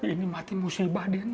ini mati musibah din